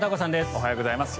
おはようございます。